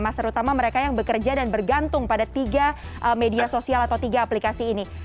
terutama mereka yang bekerja dan bergantung pada tiga media sosial atau tiga aplikasi ini